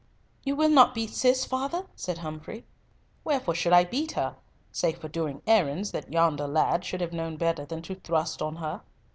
"You will not beat Cis, father?" said Humfrey. "Wherefore should I beat her, save for doing errands that yonder lad should have known better than to thrust on her?"